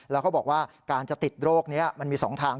แล้วเขาบอกว่าการจะติดโรคนี้มันมี๒ทาง